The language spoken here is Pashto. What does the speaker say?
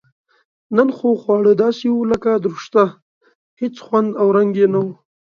نن خو خواړه داسې و لکه دورسشته هېڅ خوند او رنګ یې نه و.